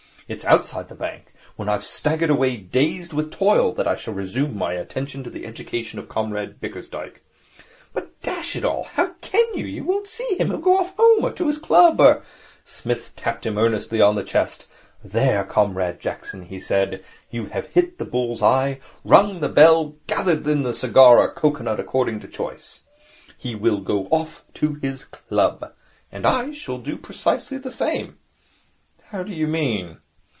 It is outside the bank, when I have staggered away dazed with toil, that I shall resume my attention to the education of Comrade Bickersdyke.' 'But, dash it all, how can you? You won't see him. He'll go off home, or to his club, or ' Psmith tapped him earnestly on the chest. 'There, Comrade Jackson,' he said, 'you have hit the bull's eye, rung the bell, and gathered in the cigar or cocoanut according to choice. He will go off to his club. And I shall do precisely the same.' 'How do you mean?'